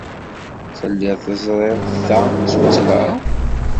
Telliḍ teẓriḍ ta d tuttra?